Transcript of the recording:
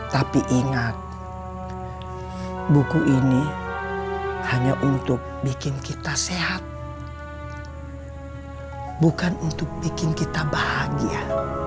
tapi ingat buku ini hanya untuk bikin kita sehat bukan untuk bikin kita bahagia